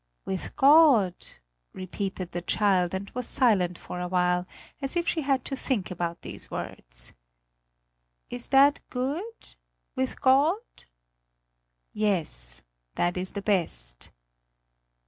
"With God!" repeated the child and was silent for a while, as if she had to think about these words. "Is that good with God?" "Yes, that is the best."